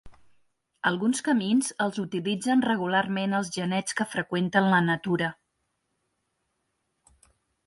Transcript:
Alguns camins els utilitzen regularment els genets que freqüenten la natura.